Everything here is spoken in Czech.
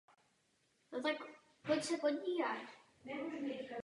Evropská unie má výhradní odpovědnost za vnější obchodní politiku.